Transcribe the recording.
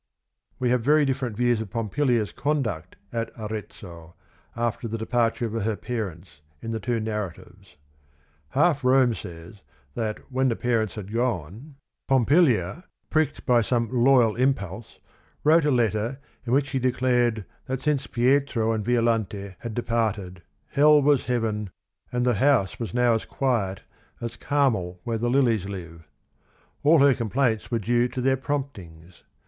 We have very different views of Pompilia's conduct at Arezzo, after the departure of her parents, in the two narratives. HalLRame__says that when the parents had gone Pompilia, pricked by some loyal impulse, wrote a letter in which she declared that since Pietro and Vio lante had departed "hell was heaven" and the house was now as quiet as "Carmel where the lilies live." All her complaints were due to their promptings.